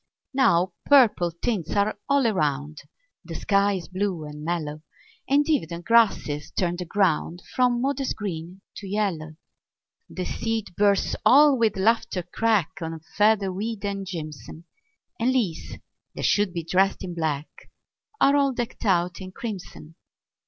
Now purple tints are all around; The sky is blue and mellow; And e'en the grasses turn the ground From modest green to yellow. The seed burrs all with laughter crack On featherweed and jimson; And leaves that should be dressed in black Are all decked out in crimson.